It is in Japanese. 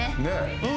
うん。